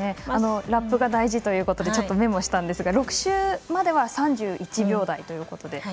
ラップが大事ということでメモしたんですが６周までは３１秒台ということで。